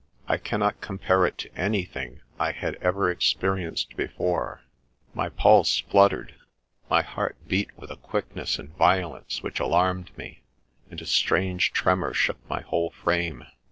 I cannot compare it to anything I had ever ex perienced before ; my pulse fluttered, my heart beat with a quickness and violence which alarmed me, and a strange tremour shook my whole frame.